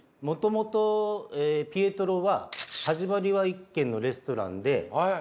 もともとピエトロは始まりは１軒のレストランで。